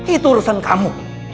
itu urusan kamu